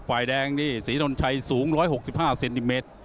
ฝ่ายแดงนี่ศรีธนนชัยสูงร้อยหกสิบห้าเซนติเมตร